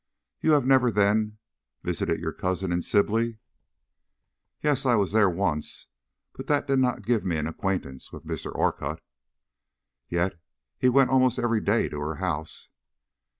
"You have never, then, visited your cousin in Sibley?" "Yes, I was there once; but that did not give me an acquaintance with Mr. Orcutt." "Yet he went almost every day to her house."